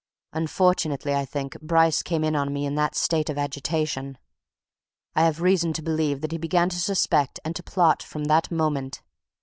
Unfortunately, I think, Bryce came in upon me in that state of agitation. I have reason to believe that he began to suspect and to plot from that moment.